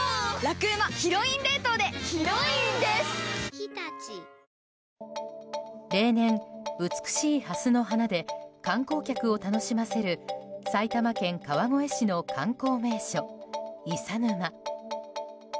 光のキッチンザ・クラッソ例年、美しいハスの花で観光客を楽しませる埼玉県川越市の観光名所伊佐沼。